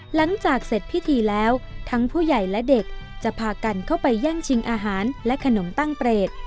หลังจากเสร็จพิธีแล้วทั้งผู้ใหญ่และเด็กจะพากันเข้าไปแย่งชิงอาหารและขนมตั้งเปรต